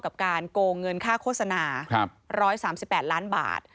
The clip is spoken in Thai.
กับการโกงเงินค่าโฆษณา๑๓๘ล้านบาท